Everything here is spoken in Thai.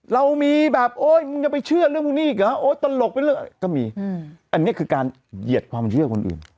เรามีแบบโอ๊ยมึงจะไปเชื่อเรื่องพวกนี้อีกเหรอโอ๊ยตลกเป็นเรื่องอะไรก็มีอันนี้คือการเหยียดความเชื่อคนอื่น